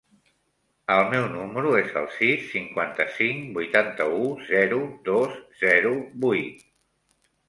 El meu número es el sis, cinquanta-cinc, vuitanta-u, zero, dos, zero, vuit.